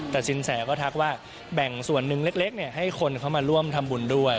แต่สินแสก็ทักว่าแบ่งส่วนหนึ่งเล็กให้คนเข้ามาร่วมทำบุญด้วย